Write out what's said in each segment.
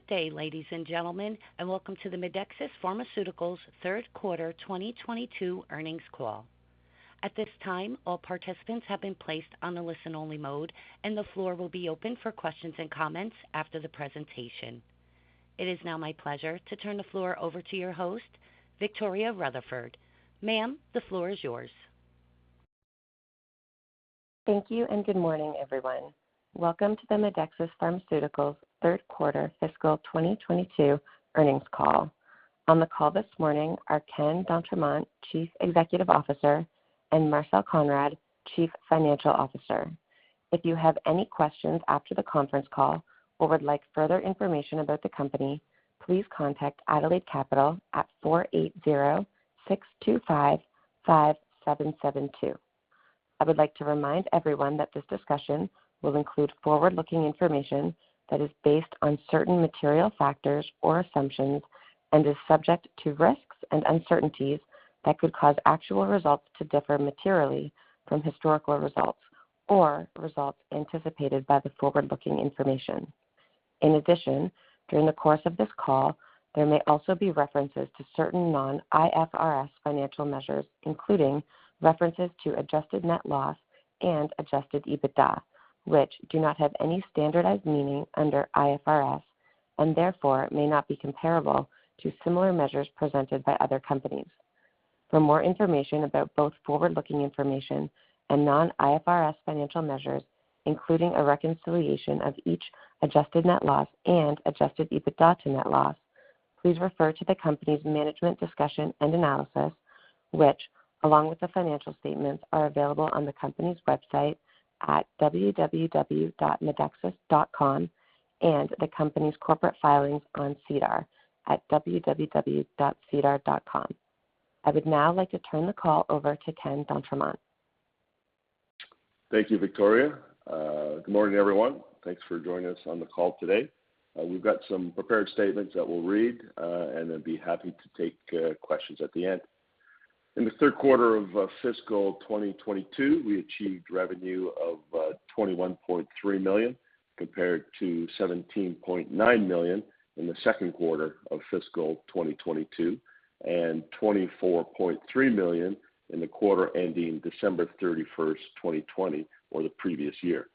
Good day, ladies and gentlemen, and welcome to the Medexus Pharmaceuticals Third Quarter 2022 Earnings Call. At this time, all participants have been placed on a listen-only mode, and the floor will be open for questions and comments after the presentation. It is now my pleasure to turn the floor over to your host, Victoria Rutherford. Ma'am, the floor is yours. Thank you and good morning, everyone. Welcome to the Medexus Pharmaceuticals Third Quarter Fiscal 2022 Earnings Call. On the call this morning are Ken d'Entremont, Chief Executive Officer, and Marcel Konrad, Chief Financial Officer. If you have any questions after the conference call or would like further information about the company, please contact Adelaide Capital at 480-625-5772. I would like to remind everyone that this discussion will include forward-looking information that is based on certain material factors or assumptions and is subject to risks and uncertainties that could cause actual results to differ materially from historical results or results anticipated by the forward-looking information. In addition, during the course of this call, there may also be references to certain non-IFRS financial measures, including references to adjusted net loss and Adjusted EBITDA, which do not have any standardized meaning under IFRS and therefore may not be comparable to similar measures presented by other companies. For more information about both forward-looking information and non-IFRS financial measures, including a reconciliation of each adjusted net loss and Adjusted EBITDA to net loss, please refer to the company's management discussion and analysis, which, along with the financial statements, are available on the company's website at www.medexus.com and the company's corporate filings on SEDAR at www.sedar.com. I would now like to turn the call over to Ken d'Entremont. Thank you, Victoria. Good morning, everyone. Thanks for joining us on the call today. We've got some prepared statements that we'll read, and then be happy to take questions at the end. In the third quarter of fiscal 2022, we achieved revenue of 21.3 million compared to 17.9 million in the second quarter of fiscal 2022 and 24.3 million in the quarter ending December 31, 2020, or the previous year.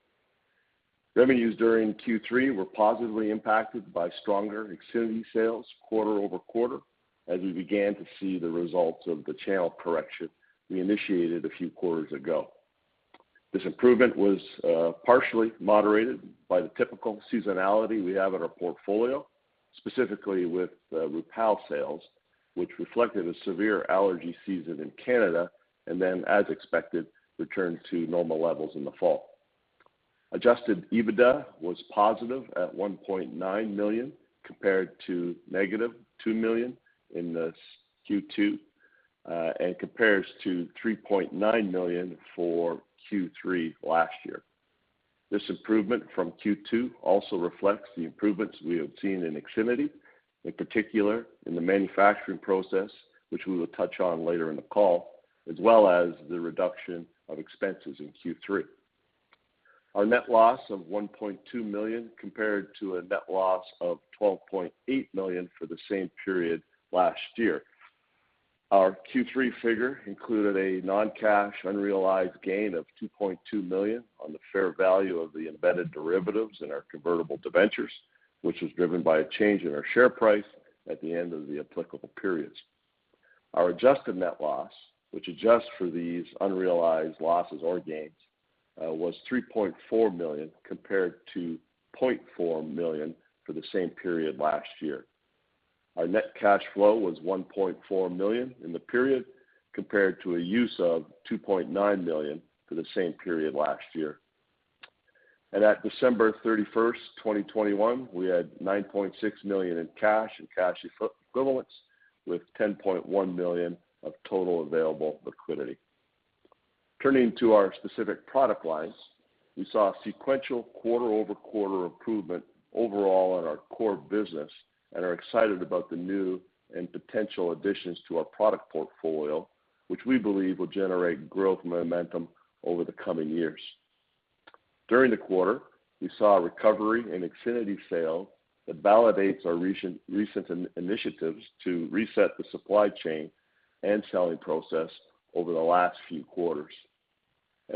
Revenues during Q3 were positively impacted by stronger IXINITY sales quarter over quarter as we began to see the results of the channel correction we initiated a few quarters ago. This improvement was partially moderated by the typical seasonality we have in our portfolio, specifically with Rupall sales, which reflected a severe allergy season in Canada, and then, as expected, returned to normal levels in the fall. Adjusted EBITDA was positive at 1.9 million compared to negative 2 million in the Q2, and compares to 3.9 million for Q3 last year. This improvement from Q2 also reflects the improvements we have seen in IXINITY, in particular in the manufacturing process, which we will touch on later in the call, as well as the reduction of expenses in Q3. Our net loss of 1.2 million compared to a net loss of 12.8 million for the same period last year. Our Q3 figure included a non-cash unrealized gain of 2.2 million on the fair value of the embedded derivatives in our convertible debentures, which was driven by a change in our share price at the end of the applicable periods. Our adjusted net loss, which adjusts for these unrealized losses or gains, was 3.4 million compared to 0.4 million for the same period last year. Our net cash flow was 1.4 million in the period compared to a use of 2.9 million for the same period last year. At December 31, 2021, we had 9.6 million in cash and cash equivalents with 10.1 million of total available liquidity. Turning to our specific product lines, we saw a sequential quarter-over-quarter improvement overall in our core business and are excited about the new and potential additions to our product portfolio, which we believe will generate growth momentum over the coming years. During the quarter, we saw a recovery in IXINITY sales that validates our recent initiatives to reset the supply chain and selling process over the last few quarters.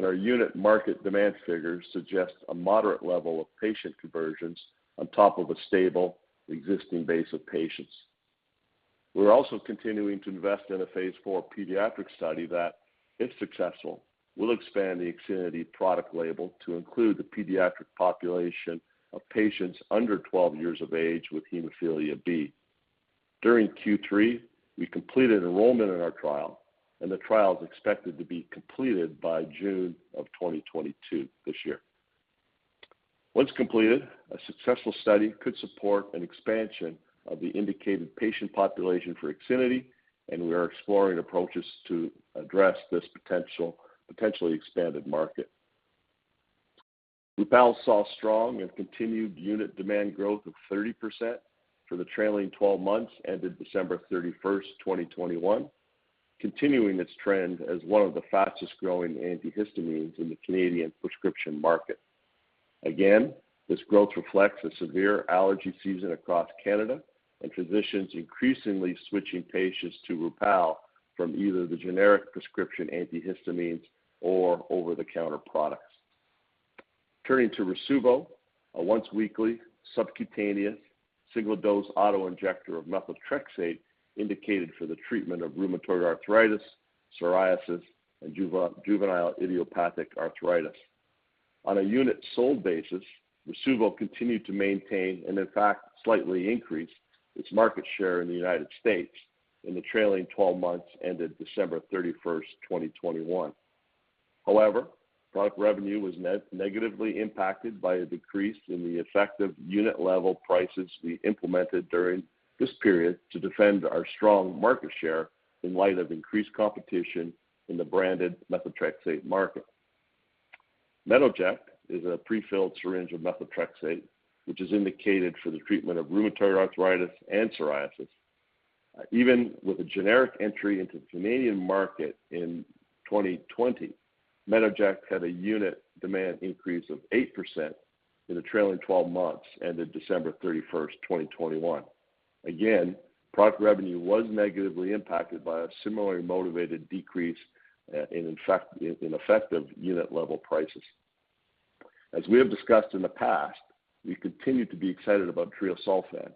Our unit market demand figures suggest a moderate level of patient conversions on top of a stable existing base of patients. We're also continuing to invest in a phase IV pediatric study that, if successful, will expand the IXINITY product label to include the pediatric population of patients under 12 years of age with hemophilia B. During Q3, we completed enrollment in our trial, and the trial is expected to be completed by June of 2022 this year. Once completed, a successful study could support an expansion of the indicated patient population for IXINITY, and we are exploring approaches to address this potentially expanded market. Rupall saw strong and continued unit demand growth of 30% for the trailing twelve months ended December 31, 2021, continuing its trend as one of the fastest-growing antihistamines in the Canadian prescription market. Again, this growth reflects a severe allergy season across Canada and physicians increasingly switching patients to Rupall from either the generic prescription antihistamines or over-the-counter products. Turning to Rasuvo, a once-weekly subcutaneous single-dose auto-injector of methotrexate indicated for the treatment of rheumatoid arthritis, psoriasis, and juvenile idiopathic arthritis. On a unit sold basis, Rasuvo continued to maintain and in fact slightly increased its market share in the United States in the trailing twelve months ended December 31, 2021. However, product revenue was negatively impacted by a decrease in the effective unit level prices we implemented during this period to defend our strong market share in light of increased competition in the branded methotrexate market. Metoject is a prefilled syringe of methotrexate, which is indicated for the treatment of rheumatoid arthritis and psoriasis. Even with a generic entry into the Canadian market in 2020, Metoject had a unit demand increase of 8% in the trailing twelve months ended December 31, 2021. Again, product revenue was negatively impacted by a similarly motivated decrease in effective unit level prices. As we have discussed in the past, we continue to be excited about treosulfan.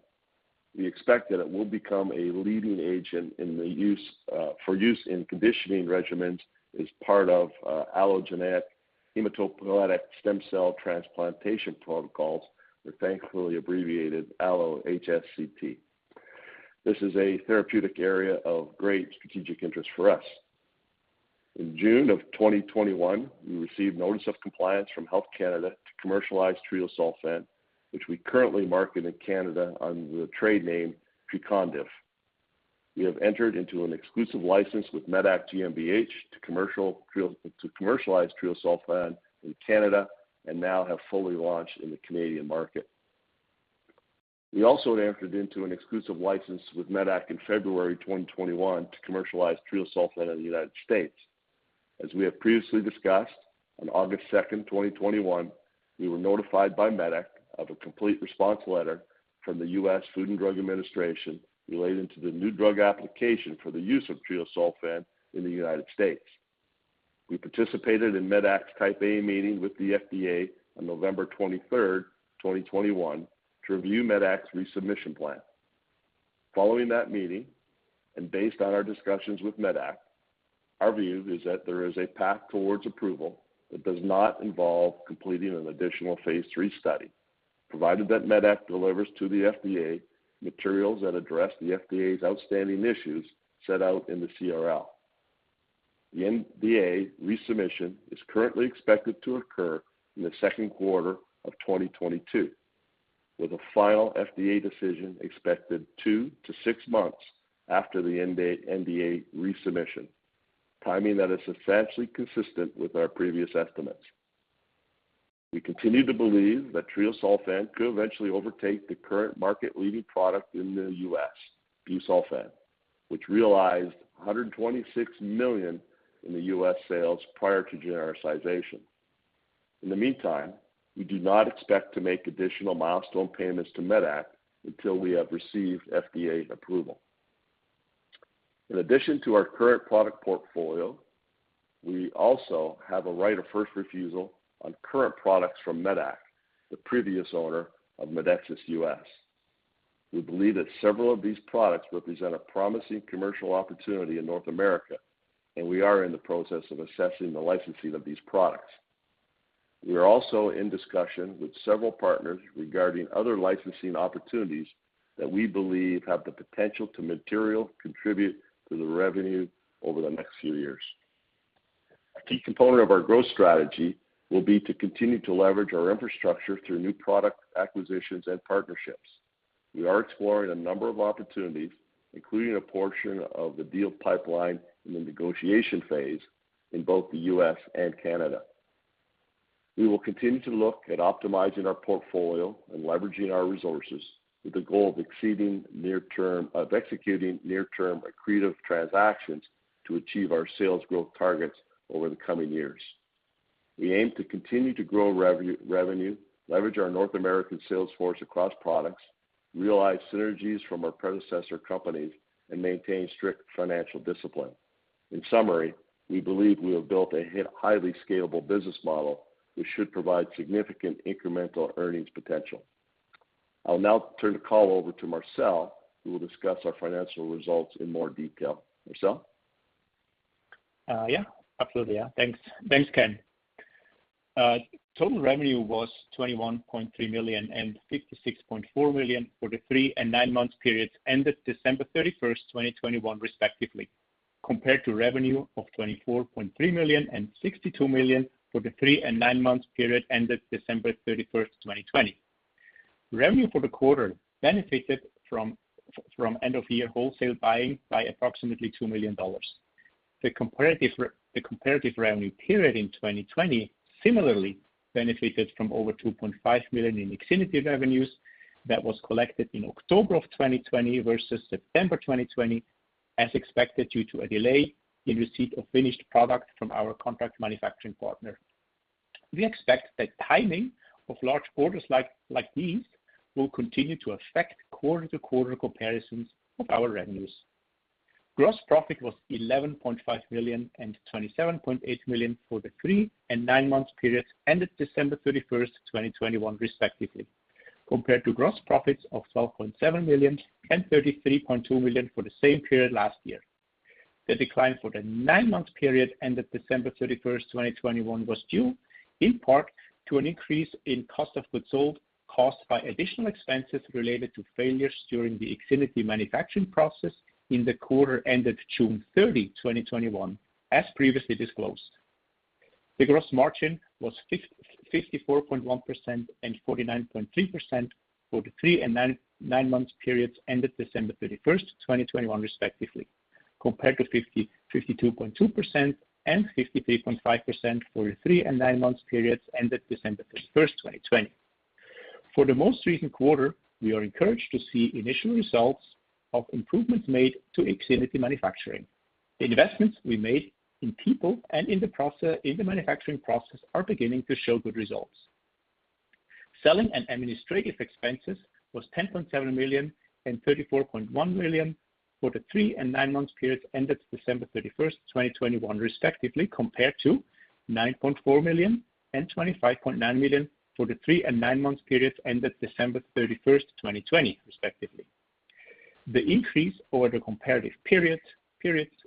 We expect that it will become a leading agent for use in conditioning regimens as part of allogeneic hematopoietic stem cell transplantation protocols, the thankfully abbreviated allo-HSCT. This is a therapeutic area of great strategic interest for us. In June 2021, we received notice of compliance from Health Canada to commercialize treosulfan, which we currently market in Canada under the trade name Trecondyv. We have entered into an exclusive license with medac GmbH to commercialize treosulfan in Canada and now have fully launched in the Canadian market. We also entered into an exclusive license with medac in February 2021 to commercialize treosulfan in the United States. As we have previously discussed, on August 2, 2021, we were notified by medac of a complete response letter from the US Food and Drug Administration relating to the new drug application for the use of treosulfan in the United States. We participated in medac's Type A meeting with the FDA on November 23, 2021 to review medac's resubmission plan. Following that meeting and based on our discussions with medac, our view is that there is a path towards approval that does not involve completing an additional phase III study, provided that medac delivers to the FDA materials that address the FDA's outstanding issues set out in the CRL. The NDA resubmission is currently expected to occur in the second quarter of 2022, with a final FDA decision expected 2-6 months after the NDA resubmission, timing that is substantially consistent with our previous estimates. We continue to believe that treosulfan could eventually overtake the current market-leading product in the U.S., busulfan, which realized $126 million in U.S. sales prior to genericization. In the meantime, we do not expect to make additional milestone payments to medac until we have received FDA approval. In addition to our current product portfolio, we also have a right of first refusal on current products from medac, the previous owner of Medexus US. We believe that several of these products represent a promising commercial opportunity in North America, and we are in the process of assessing the licensing of these products. We are also in discussion with several partners regarding other licensing opportunities that we believe have the potential to materially contribute to the revenue over the next few years. A key component of our growth strategy will be to continue to leverage our infrastructure through new product acquisitions and partnerships. We are exploring a number of opportunities, including a portion of the deal pipeline in the negotiation phase in both the U.S. and Canada. We will continue to look at optimizing our portfolio and leveraging our resources with the goal of executing near-term accretive transactions to achieve our sales growth targets over the coming years. We aim to continue to grow revenue, leverage our North American sales force across products, realize synergies from our predecessor companies, and maintain strict financial discipline. In summary, we believe we have built a highly scalable business model which should provide significant incremental earnings potential. I'll now turn the call over to Marcel, who will discuss our financial results in more detail. Marcel? Total revenue was 21.3 million and 56.4 million for the three and nine-month periods ended December 31, 2021, respectively, compared to revenue of 24.3 million and 62 million for the three and nine-month period ended December 31, 2020. Revenue for the quarter benefited from end-of-year wholesale buying by approximately 2 million dollars. The comparative revenue period in 2020 similarly benefited from over 2.5 million in IXINITY revenues that was collected in October 2020 versus September 2020, as expected, due to a delay in receipt of finished product from our contract manufacturing partner. We expect that timing of large orders like these will continue to affect quarter-to-quarter comparisons of our revenues. Gross profit was 11.5 million and 27.8 million for the three- and nine-month periods ended December 31, 2021, respectively, compared to gross profits of 12.7 million and 33.2 million for the same period last year. The decline for the nine-month period ended December 31, 2021 was due in part to an increase in cost of goods sold, caused by additional expenses related to failures during the IXINITY manufacturing process in the quarter ended June 30, 2021, as previously disclosed. The gross margin was 54.1% and 49.3% for the three- and nine-month periods ended December 31, 2021, respectively, compared to 52.2% and 53.5% for the three- and nine-month periods ended December 31, 2020. For the most recent quarter, we are encouraged to see initial results of improvements made to IXINITY manufacturing. The investments we made in people and in the process, in the manufacturing process are beginning to show good results. Selling and administrative expenses was 10.7 million and 34.1 million for the 3- and 9-month periods ended December 31, 2021, respectively, compared to 9.4 million and 25.9 million for the 3- and 9-month periods ended December 31, 2020, respectively. The increase over the comparative periods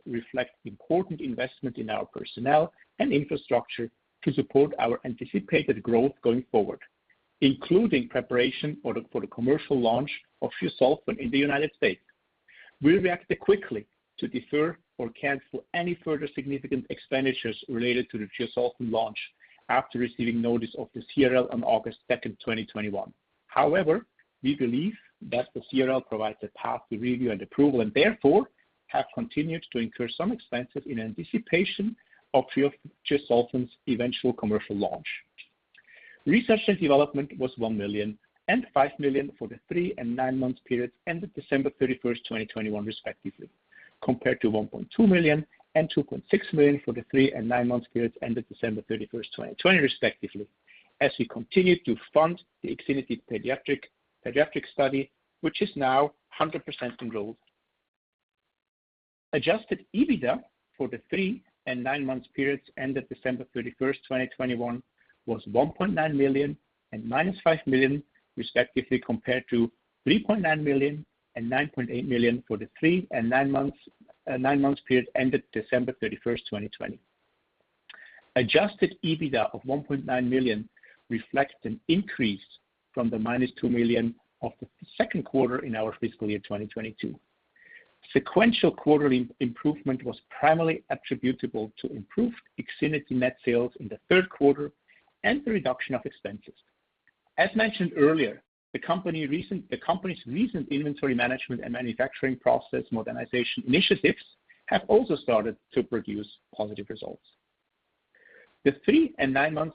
reflect important investment in our personnel and infrastructure to support our anticipated growth going forward, including preparation for the commercial launch of Treosulfan in the U.S. We reacted quickly to defer or cancel any further significant expenditures related to the Treosulfan launch after receiving notice of the CRL on August 2, 2021. However, we believe that the CRL provides a path to review and approval, and therefore have continued to incur some expenses in anticipation of treosulfan's eventual commercial launch. Research and development was 1 million and 5 million for the three- and nine-month periods ended December 31, 2021, respectively, compared to 1.2 million and 2.6 million for the three- and nine-month periods ended December 31, 2020, respectively, as we continue to fund the IXINITY pediatric study, which is now 100% enrolled. Adjusted EBITDA for the three- and nine-month periods ended December 31, 2021 was 1.9 million and -5 million, respectively, compared to 3.9 million and 9.8 million for the three- and nine-month periods ended December 31, 2020. Adjusted EBITDA of 1.9 million reflects an increase from the -2 million of the second quarter in our fiscal year 2022. Sequential quarterly improvement was primarily attributable to improved IXINITY net sales in the third quarter and the reduction of expenses. As mentioned earlier, the company's recent inventory management and manufacturing process modernization initiatives have also started to produce positive results. The three- and nine-month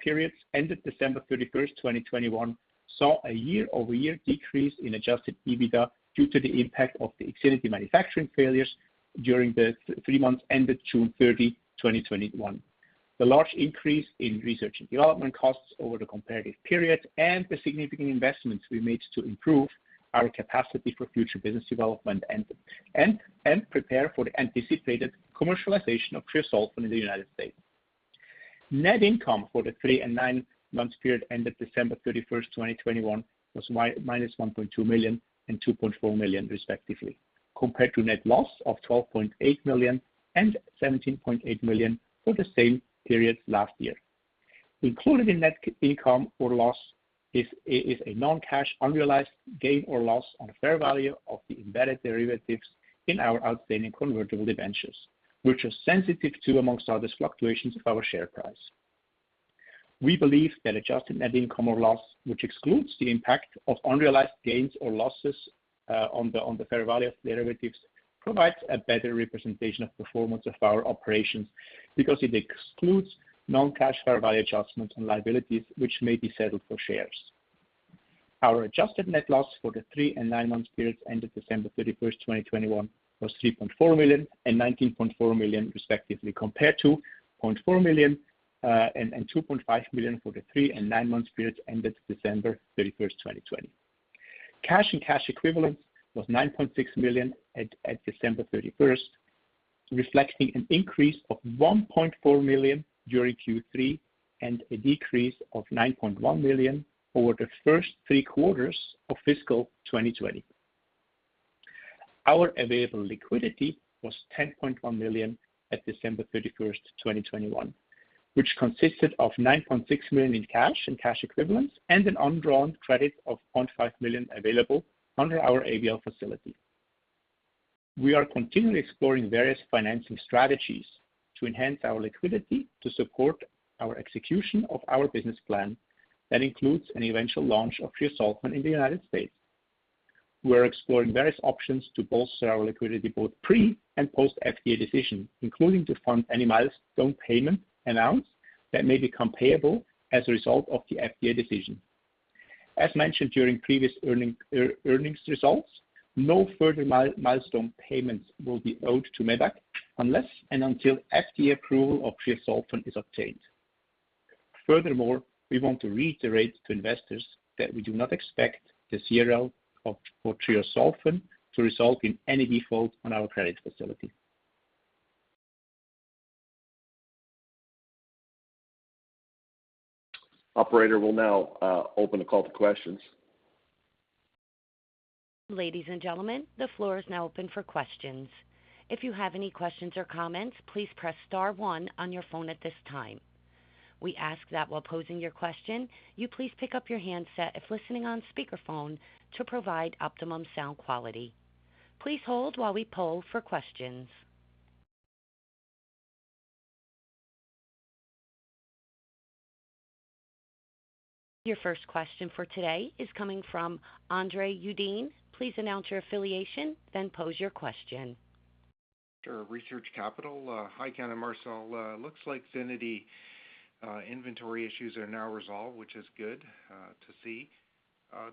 periods ended December 31, 2021, saw a year-over-year decrease in Adjusted EBITDA due to the impact of the IXINITY manufacturing failures during the three months ended June 30, 2021. The large increase in research and development costs over the comparative period and the significant investments we made to improve our capacity for future business development and prepare for the anticipated commercialization of treosulfan in the United States. Net income for the 3- and 9-month period ended December 31, 2021 was -1.2 million and 2.4 million, respectively, compared to net loss of 12.8 million and 17.8 million for the same periods last year. Included in net income or loss is a non-cash unrealized gain or loss on the fair value of the embedded derivatives in our outstanding convertible debentures, which are sensitive to, among others, fluctuations of our share price. We believe that adjusted net income or loss, which excludes the impact of unrealized gains or losses on the fair value of derivatives, provides a better representation of performance of our operations because it excludes non-cash fair value adjustments and liabilities which may be settled for shares. Our adjusted net loss for the asmonth periods ended December 31, 2021 was 3.4 million and 19.4 million, respectively, compared to 0.4 million and 2.5 million for the 3- and 9-month periods ended December 31, 2020. Cash and cash equivalents was 9.6 million at December 31, reflecting an increase of 1.4 million during Q3 and a decrease of 9.1 million over the first three quarters of fiscal 2020. Our available liquidity was 10.1 million at December 31, 2021, which consisted of 9.6 million in cash and cash equivalents and an undrawn credit of 0.5 million available under our ABL facility. We are continually exploring various financing strategies to enhance our liquidity to support our execution of our business plan that includes an eventual launch of treosulfan in the United States. We're exploring various options to bolster our liquidity, both pre and post FDA decision, including to fund any milestone payment announced that may become payable as a result of the FDA decision. As mentioned during previous earnings results, no further milestone payments will be owed to medac unless and until FDA approval of treosulfan is obtained. Furthermore, we want to reiterate to investors that we do not expect the CRL for treosulfan to result in any default on our credit facility. Operator will now open the call to questions. Ladies and gentlemen, the floor is now open for questions. If you have any questions or comments, please press star one on your phone at this time. We ask that while posing your question, you please pick up your handset if listening on speakerphone to provide optimum sound quality. Please hold while we poll for questions. Your first question for today is coming from André Uddin. Please announce your affiliation, then pose your question. André Uddin, Research Capital Corporation. Hi, Ken and Marcel. Looks like IXINITY inventory issues are now resolved, which is good to see.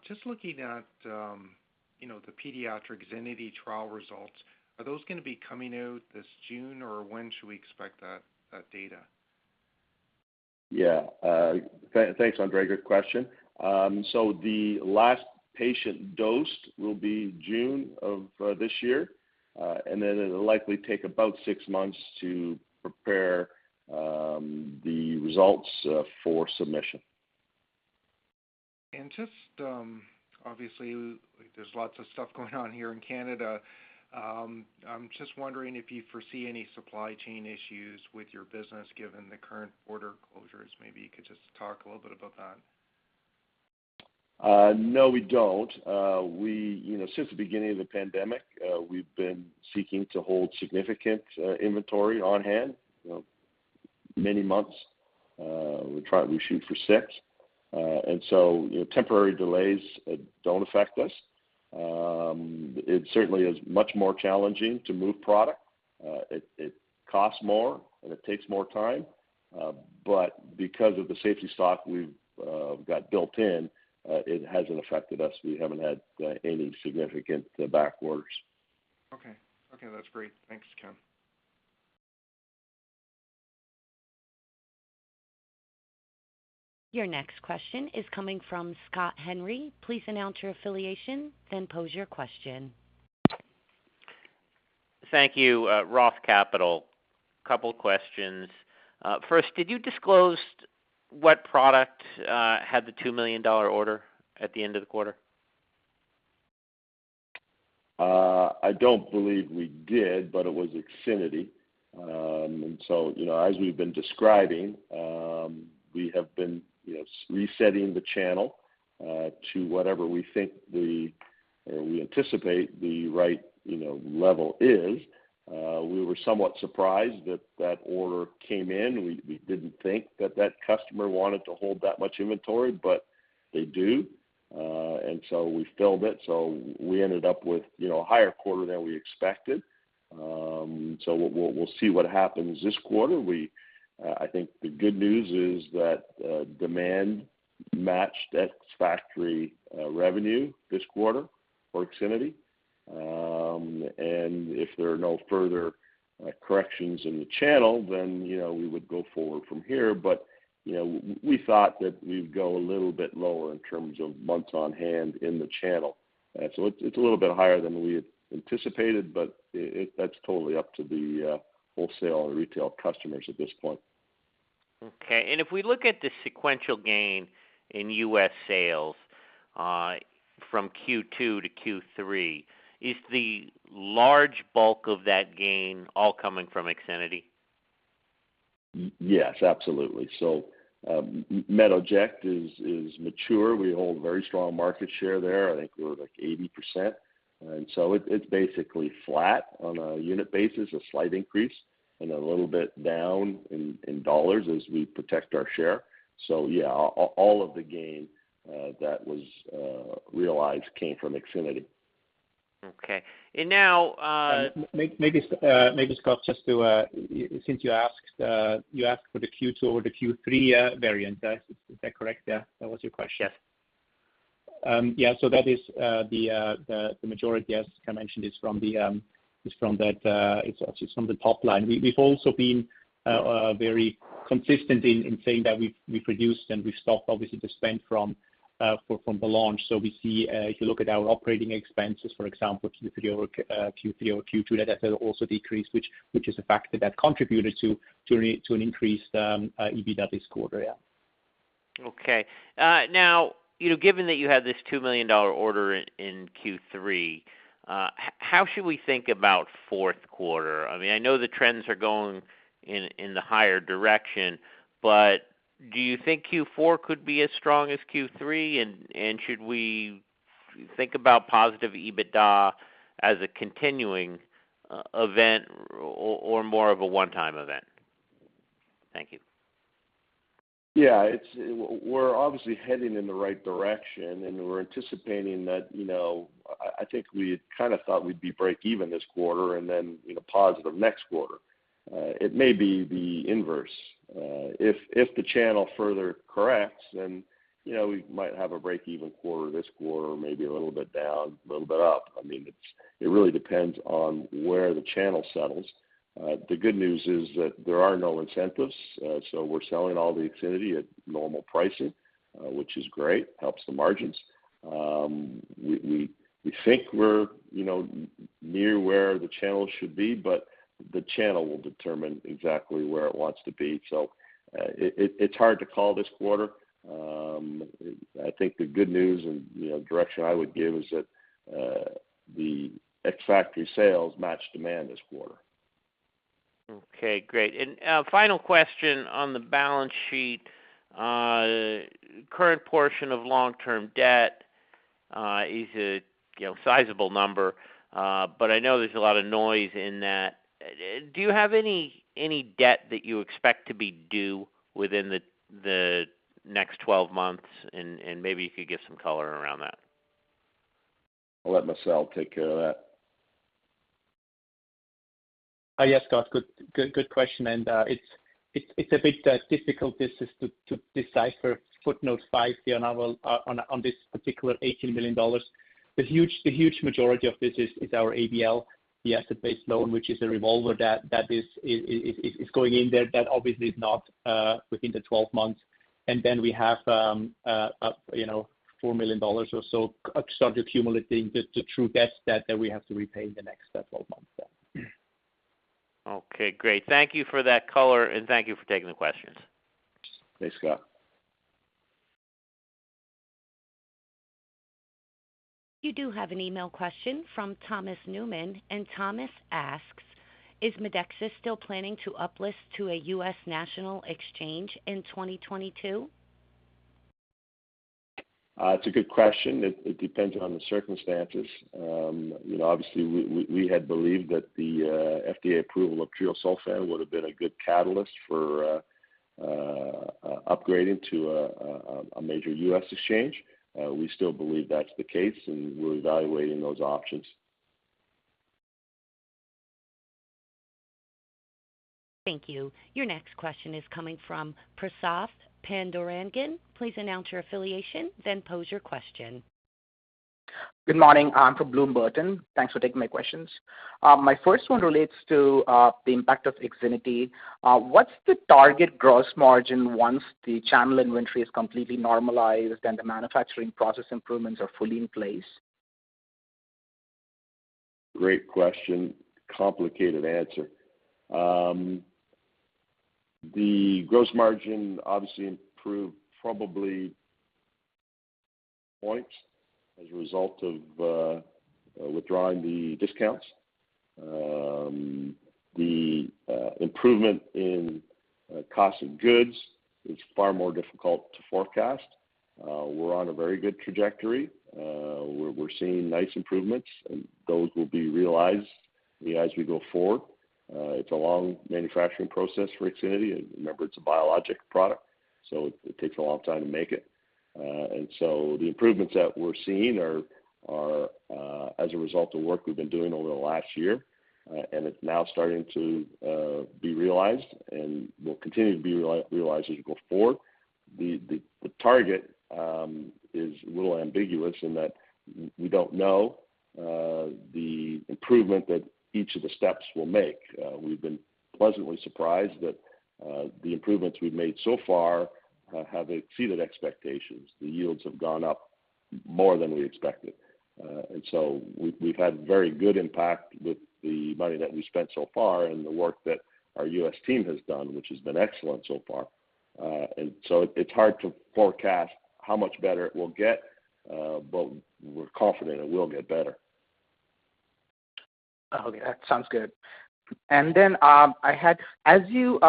Just looking at, you know, the pediatric IXINITY trial results, are those gonna be coming out this June, or when should we expect that data? Yeah. Thanks, André. Good question. The last patient dosed will be June of this year. It'll likely take about six months to prepare the results for submission. Just, obviously there's lots of stuff going on here in Canada. I'm just wondering if you foresee any supply chain issues with your business given the current border closures. Maybe you could just talk a little bit about that. No, we don't. You know, since the beginning of the pandemic, we've been seeking to hold significant inventory on hand, you know, many months. We shoot for six. You know, temporary delays don't affect us. It certainly is much more challenging to move product. It costs more, and it takes more time. Because of the safety stock we've got built in, it hasn't affected us. We haven't had any significant back orders. Okay, that's great. Thanks, Ken. Your next question is coming from Scott Henry. Please announce your affiliation, then pose your question. Thank you. Roth Capital. Couple questions. First, did you disclose what product had the $2 million order at the end of the quarter? I don't believe we did, but it was IXINITY. You know, as we've been describing, we have been, you know, resetting the channel to whatever we think or we anticipate the right, you know, level is. We were somewhat surprised that that order came in. We didn't think that that customer wanted to hold that much inventory, but they do. We filled it. We ended up with, you know, a higher quarter than we expected. We'll see what happens this quarter. I think the good news is that demand matched ex-factory revenue this quarter for IXINITY. If there are no further corrections in the channel then, you know, we would go forward from here. You know, we thought that we'd go a little bit lower in terms of months on hand in the channel. It's a little bit higher than we had anticipated, but that's totally up to the wholesale or retail customers at this point. Okay. If we look at the sequential gain in U.S. sales, from Q2 to Q3, is the large bulk of that gain all coming from IXINITY? Yes, absolutely. Metoject is mature. We hold very strong market share there. I think we're like 80%. It is basically flat on a unit basis, a slight increase, and a little bit down in dollars as we protect our share. Yeah, all of the gain that was realized came from IXINITY. Okay. Maybe, Scott, just to, since you asked for the Q2 or the Q3 variance. Is that correct? Yeah. That was your question. Yeah. Yeah, that is the majority, as Ken mentioned, is from that. It's actually from the top line. We've also been very consistent in saying that we've reduced and we've stopped obviously the spend from the launch. We see if you look at our operating expenses, for example, Q3 or Q2, that has also decreased, which is a factor that contributed to an increased EBITDA this quarter. Yeah. Okay. Now, you know, given that you had this 2 million dollar order in Q3, how should we think about fourth quarter? I mean, I know the trends are going in the higher direction, but do you think Q4 could be as strong as Q3? Should we think about positive EBITDA as a continuing event or more of a one-time event? Thank you. We're obviously heading in the right direction, and we're anticipating that, you know, I think we kind of thought we'd be break-even this quarter and then, you know, positive next quarter. It may be the inverse. If the channel further corrects, then, you know, we might have a break-even quarter this quarter, maybe a little bit down, a little bit up. I mean, it's really depends on where the channel settles. The good news is that there are no incentives, so we're selling all the IXINITY at normal pricing, which is great, helps the margins. We think we're, you know, near where the channel should be, but the channel will determine exactly where it wants to be. It's hard to call this quarter. I think the good news and, you know, direction I would give is that, the ex-factory sales match demand this quarter. Okay, great. Final question on the balance sheet. Current portion of long-term debt is a, you know, sizable number, but I know there's a lot of noise in that. Do you have any debt that you expect to be due within the next 12 months? Maybe you could give some color around that. I'll let Marcel take care of that. Yes, Scott, good question. It's a bit difficult to decipher footnote five here on this particular 18 million dollars. The huge majority of this is our ABL, the asset-based loan, which is a revolver debt that is going in there. That obviously is not within the 12 months. Then we have 4 million dollars or so start accumulating the true debt that we have to repay in the next 12 months then. Okay, great. Thank you for that color, and thank you for taking the questions. Thanks, Scott. You do have an email question from Thomas Newman, and Thomas asks, "Is Medexus still planning to uplist to a U.S. national exchange in 2022? It's a good question. It depends on the circumstances. You know, obviously, we had believed that the FDA approval of treosulfan would have been a good catalyst for upgrading to a major U.S. exchange. We still believe that's the case, and we're evaluating those options. Thank you. Your next question is coming from Prasath Pandurangan. Please announce your affiliation, then pose your question. Good morning. I'm from Bloom Burton. Thanks for taking my questions. My first one relates to the impact of IXINITY. What's the target gross margin once the channel inventory is completely normalized and the manufacturing process improvements are fully in place? Great question. Complicated answer. The gross margin obviously improved probably points as a result of withdrawing the discounts. The improvement in cost of goods is far more difficult to forecast. We're on a very good trajectory. We're seeing nice improvements, and those will be realized, you know, as we go forward. It's a long manufacturing process for IXINITY. Remember, it's a biologic product, so it takes a long time to make it. The improvements that we're seeing are as a result of work we've been doing over the last year, and it's now starting to be realized and will continue to be realized as we go forward. The target is a little ambiguous in that we don't know the improvement that each of the steps will make. We've been pleasantly surprised that the improvements we've made so far have exceeded expectations. The yields have gone up more than we expected. We've had very good impact with the money that we spent so far and the work that our U.S. team has done, which has been excellent so far. It's hard to forecast how much better it will get, but we're confident it will get better. Okay, that sounds good. Then, as you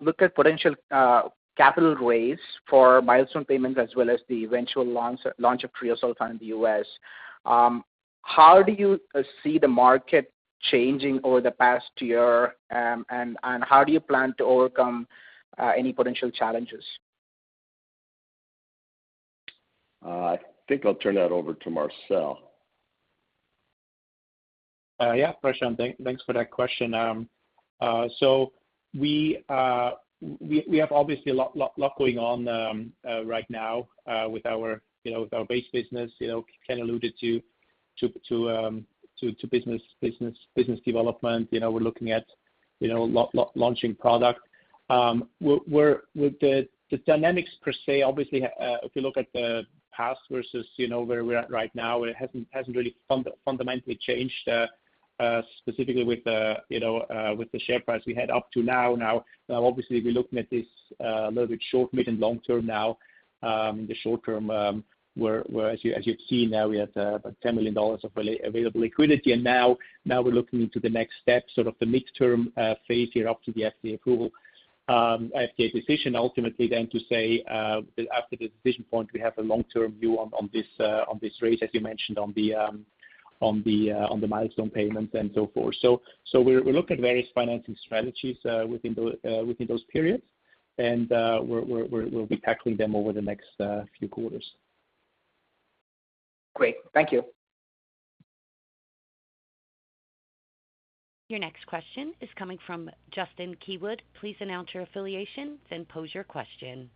look at potential capital raise for milestone payments as well as the eventual launch of treosulfan in the U.S., how do you see the market changing over the past year? And how do you plan to overcome any potential challenges? I think I'll turn that over to Marcel. Yeah, Prasath, thanks for that question. So we have obviously a lot going on right now with our, you know, with our base business. You know, Ken alluded to business development. You know, we're looking at, you know, launching product. The dynamics per se, obviously, if you look at the past versus, you know, where we're at right now, it hasn't really fundamentally changed specifically with the, you know, with the share price we had up to now. Now, obviously, we're looking at this a little bit short, mid, and long term now. The short term, as you've seen now, we have 10 million dollars of available liquidity. Now we're looking into the next step, sort of the midterm phase here up to the FDA approval, FDA decision ultimately then to say, after the decision point, we have a long-term view on this race, as you mentioned, on the milestone payments and so forth. We'll be tackling them over the next few quarters. Great. Thank you. Your next question is coming from Justin Keywood. Please announce your affiliation, then pose your question.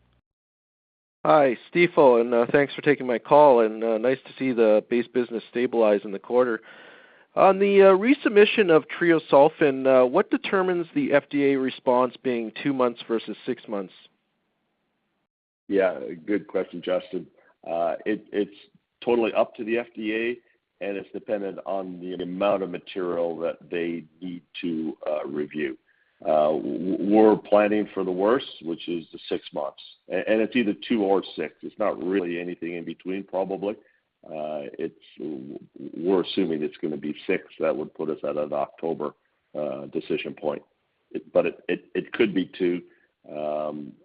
Hi, Stifel. Thanks for taking my call, and nice to see the base business stabilize in the quarter. On the resubmission of treosulfan, what determines the FDA response being two months versus six months? Yeah, good question, Justin. It's totally up to the FDA, and it's dependent on the amount of material that they need to review. We're planning for the worst, which is the six months. It's either two or six. It's not really anything in between probably. We're assuming it's gonna be six. That would put us at an October decision point. But it could be two.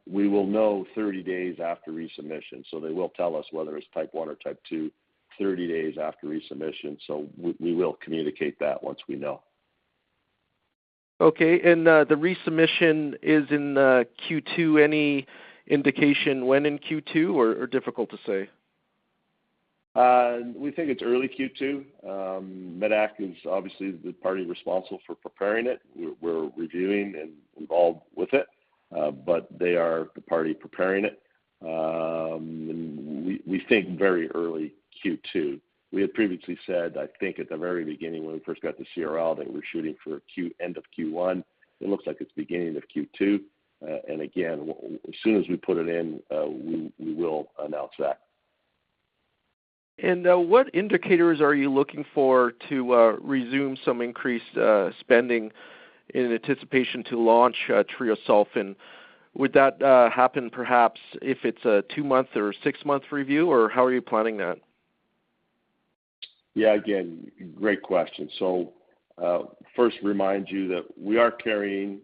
We will know 30 days after resubmission. They will tell us whether it's type 1 or type 2, 30 days after resubmission. We will communicate that once we know. The resubmission is in Q2. Any indication when in Q2 or difficult to say? We think it's early Q2. Medac is obviously the party responsible for preparing it. We're reviewing and involved with it, but they are the party preparing it. We think very early Q2. We had previously said, I think at the very beginning when we first got the CRL, that we're shooting for end of Q1. It looks like it's beginning of Q2. As soon as we put it in, we will announce that. What indicators are you looking for to resume some increased spending in anticipation to launch treosulfan? Would that happen perhaps if it's a 2-month or 6-month review, or how are you planning that? Yeah, again, great question. First, remind you that we are carrying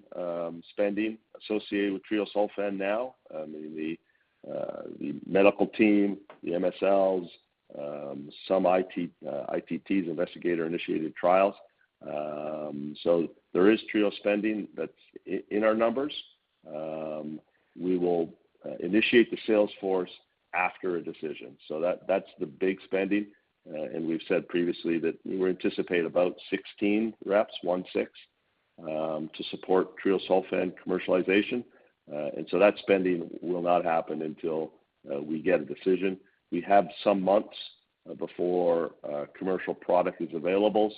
spending associated with treosulfan now in the medical team, the MSLs, some IITs, investigator-initiated trials. There is treosulfan spending that's in our numbers. We will initiate the sales force after a decision. That's the big spending. We've said previously that we anticipate about 16 reps, 16, to support treosulfan commercialization. That spending will not happen until we get a decision. We have some months before commercial product is available.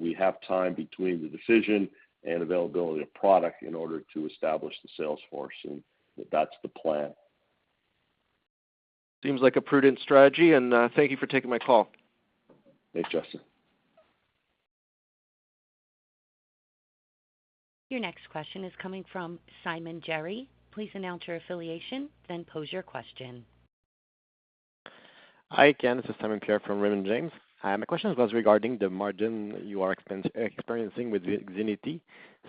We have time between the decision and availability of product in order to establish the sales force, and that's the plan. Seems like a prudent strategy, and thank you for taking my call. Thanks, Justin. Your next question is coming from Simon-Pierre Jarry. Please announce your affiliation, then pose your question. Hi, Ken. This is Simon-Pierre Jarry from Raymond James. My question was regarding the margin you are experiencing with IXINITY.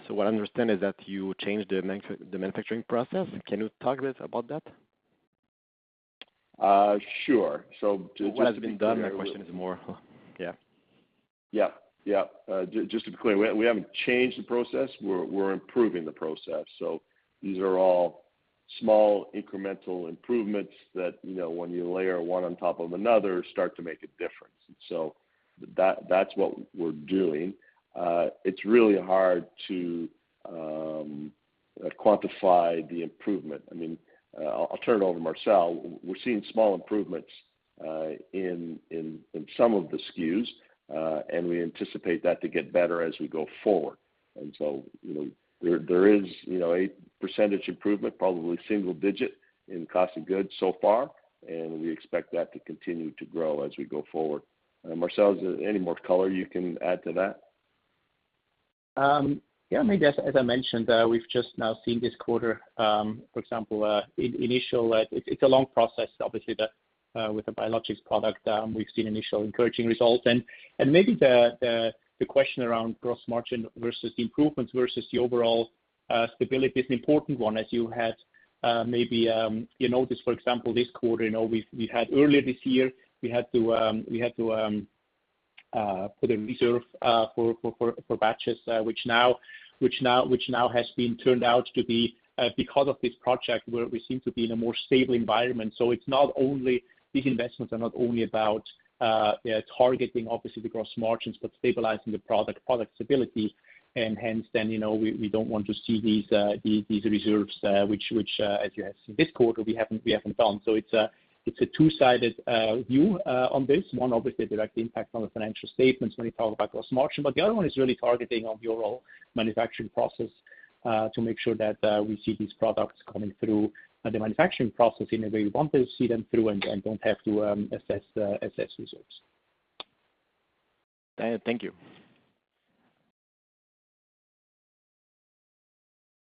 What I understand is that you changed the manufacturing process. Can you talk a bit about that? Sure. What has been done? My question is more. Yeah. Yeah, yeah. Just to be clear, we haven't changed the process. We're improving the process. These are all small incremental improvements that, you know, when you layer one on top of another, start to make a difference. That's what we're doing. It's really hard to quantify the improvement. I mean, I'll turn it over to Marcel. We're seeing small improvements in some of the SKUs, and we anticipate that to get better as we go forward. You know, there is, you know, a percentage improvement, probably single-digit in cost of goods so far, and we expect that to continue to grow as we go forward. Marcel, is there any more color you can add to that? Yeah, I mean, as I mentioned, we've just now seen this quarter, for example, initial. It's a long process, obviously, with the biologics product. We've seen initial encouraging results. Maybe the question around gross margin versus the improvements versus the overall stability is an important one as you had, maybe, you know, this, for example, this quarter, you know, we had earlier this year, we had to put a reserve for batches, which now has been turned out to be, because of this project where we seem to be in a more stable environment. It's not only these investments are not only about targeting obviously the gross margins, but stabilizing the product stability. You know, we don't want to see these reserves, which, as you have seen this quarter, we haven't done. It's a two-sided view on this. One, obviously, direct impact on the financial statements when you talk about gross margin. The other one is really targeting on your own manufacturing process to make sure that we see these products coming through the manufacturing process in the way we want to see them through and don't have to assess reserves. Thank you.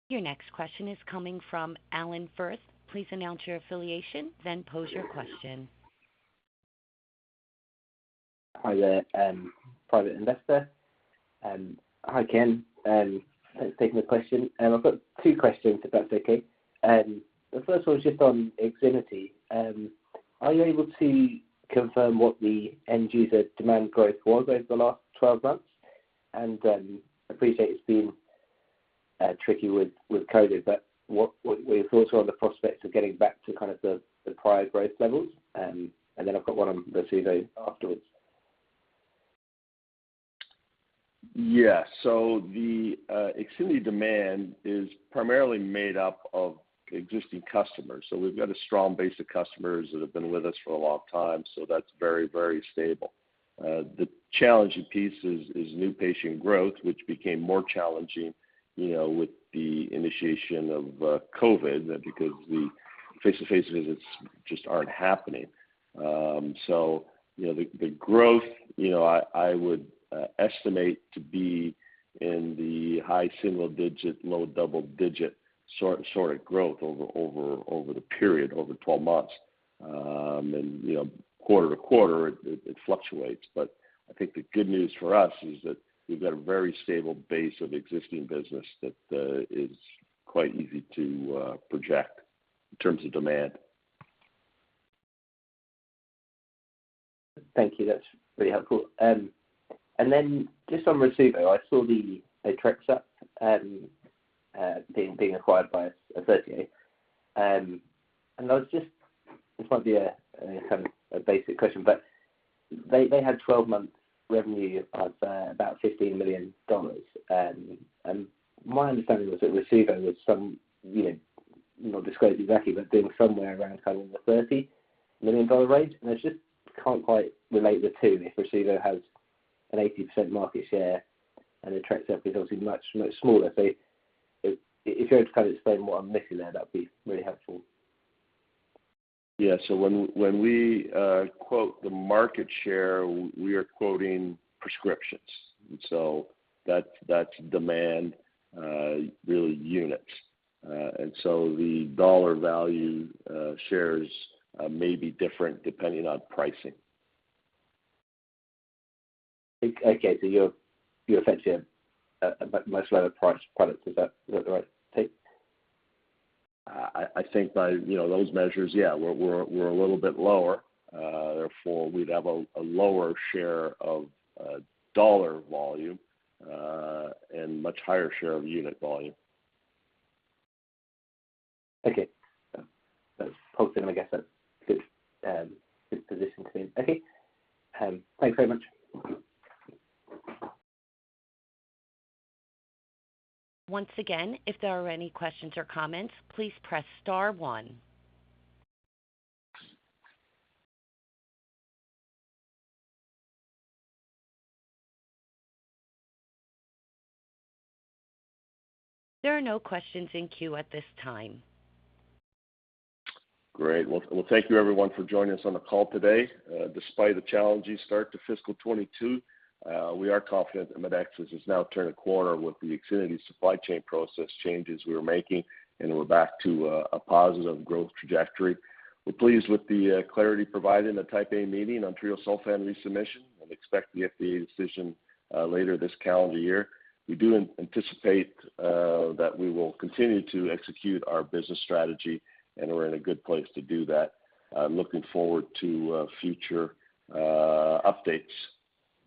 Your next question is coming from Alan Ford. Please announce your affiliation, then pose your question. Hi there, private investor. Hi, Ken. Thanks for taking the question. I've got two questions, if that's okay. The first one is just on IXINITY. Are you able to confirm what the end user demand growth was over the last 12 months? Appreciate it's been tricky with COVID. But what your thoughts on the prospects of getting back to kind of the prior growth levels? And then I've got one on the Rasuvo afterwards. The IXINITY demand is primarily made up of existing customers. We've got a strong base of customers that have been with us for a long time, so that's very, very stable. The challenging piece is new patient growth, which became more challenging, you know, with the initiation of COVID because the face-to-face visits just aren't happening. You know, the growth, you know, I would estimate to be in the high single digit, low double digit sort of growth over the period, over 12 months. You know, quarter to quarter it fluctuates. I think the good news for us is that we've got a very stable base of existing business that is quite easy to project in terms of demand. Thank you. That's really helpful. Just on Rasuvo, I saw the Otrexup being acquired by Assertio. This might be a kind of a basic question, they had 12-month revenue of about $15 million. My understanding was that Rasuvo was some, you know, not disclosed exactly, but been somewhere around kind of the $30 million range. I just can't quite relate the two, if Rasuvo has an 80% market share and Otrexup is obviously much, much smaller. If you had to kind of explain what I'm missing there, that'd be really helpful. Yeah. When we quote the market share, we are quoting prescriptions. That's demand, really units. The dollar value shares may be different depending on pricing. Okay. You're effectively a much lower price product. Is that the right take? I think by, you know, those measures, yeah, we're a little bit lower. Therefore we'd have a lower share of dollar volume, and much higher share of unit volume. Okay. That's helpful. I guess that's a good position to be in. Okay. Thanks very much. Once again, if there are any questions or comments, please press star one. There are no questions in queue at this time. Great. Well, thank you everyone for joining us on the call today. Despite a challenging start to fiscal 2022, we are confident Medexus has now turned a corner with the IXINITY supply chain process changes we're making, and we're back to a positive growth trajectory. We're pleased with the clarity provided in the Type A meeting on treosulfan resubmission and expect the FDA decision later this calendar year. We anticipate that we will continue to execute our business strategy, and we're in a good place to do that. I'm looking forward to future updates.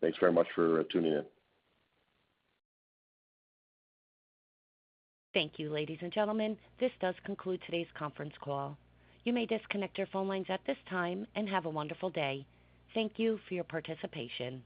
Thanks very much for tuning in. Thank you, ladies and gentlemen. This does conclude today's conference call. You may disconnect your phone lines at this time, and have a wonderful day. Thank you for your participation.